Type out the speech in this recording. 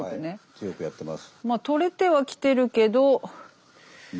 強くやってます。